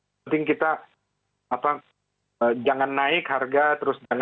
penting kita jangan naik harga terus jangan